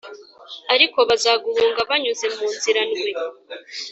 ariko bazaguhunga banyuze mu nzira ndwi.